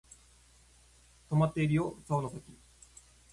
とまっているよ竿の先